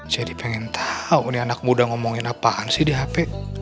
jadi pengen tahu nih anak muda ngomongin apaan sih di hp